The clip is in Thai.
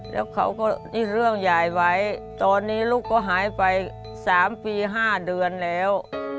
แล้วเขาก็นี่เรื่องยายไว้ตอนนี้ลูกก็หายไป๓ปี๕เดือนแล้ว